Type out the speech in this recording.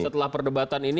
setelah perdebatan ini